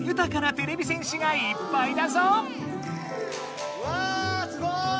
てれび戦士がいっぱいだぞ！わすごい！